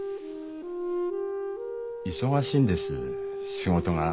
忙しいんです仕事が。